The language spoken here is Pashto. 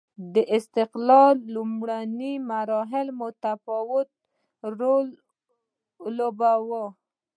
د استقلال لومړنیو مرحلو متفاوت رول ولوباوه.